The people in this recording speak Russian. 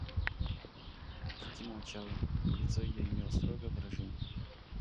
Кити молчала, и лицо ее имело строгое выражение.